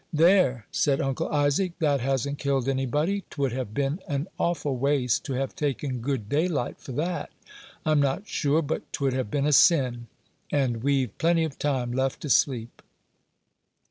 "There," said Uncle Isaac, "that hasn't killed anybody; 'twould have been an awful waste to have taken good daylight for that. I'm not sure but 'twould have been a sin; and we've plenty of time left to sleep."